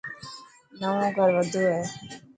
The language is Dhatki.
نئوو گھر وڌو هي.